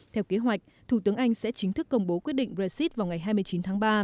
theo kế hoạch thủ tướng anh sẽ chính thức công bố quyết định brexit vào ngày hai mươi chín tháng ba